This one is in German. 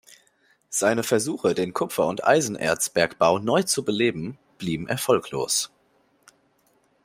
Seine Versuche, den Kupfer- und Eisenerzbergbau neu zu beleben, blieben erfolglos.